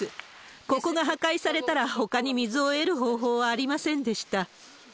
ここが破壊されたら、ほかに水を得る方法はありませんでした。